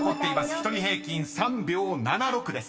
１人平均３秒７６です］